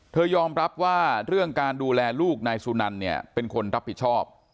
ยอมรับว่าเรื่องการดูแลลูกนายสุนันเนี่ยเป็นคนรับผิดชอบ